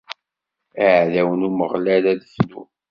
Iɛdawen n Umeɣlal ad fnun.